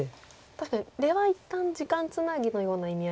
確かに出は一旦時間つなぎのような意味合いも。